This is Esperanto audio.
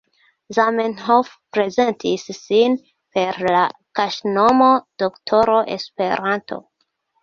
Zamenhof, prezentis sin per la kaŝnomo Doktoro Esperanto.